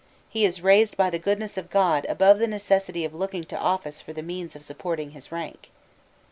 He is raised, by the goodness of God, above the necessity of looking to office for the means of supporting his rank."